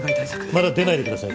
まだ出ないでください